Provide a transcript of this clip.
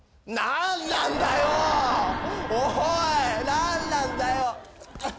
何なんだよ！